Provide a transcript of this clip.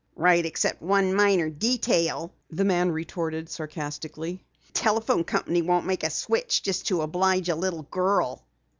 "Right except for one minor detail," the man retorted sarcastically. "The telephone company won't make a switch just to oblige a little girl."